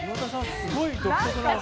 すごい独特な。